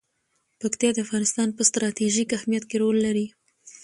پکتیا د افغانستان په ستراتیژیک اهمیت کې رول لري.